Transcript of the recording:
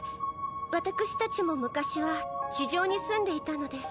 ワタクシたちも昔は地上に住んでいたのです。